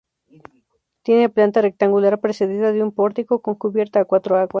Tiene planta rectangular precedida de un pórtico con cubierta a cuatro aguas.